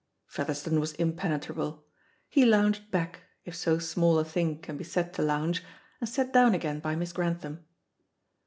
Featherstone was impenetrable. He lounged back, if so small a thing can be said to lounge, and sat down again by Miss Grantham.